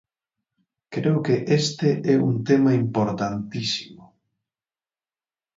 Creo que este é un tema importantísimo.